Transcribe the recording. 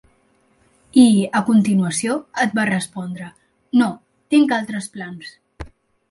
I, a continuació, et va respondre: "No, tinc altres plans".